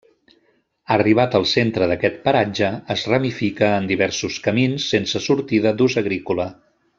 Arribat al centre d'aquest paratge, es ramifica en diversos camins sense sortida d'ús agrícola.